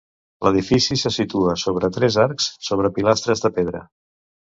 L'edifici se situa sobre tres arcs sobre pilastres de pedra.